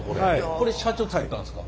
これ社長が作ったんですか？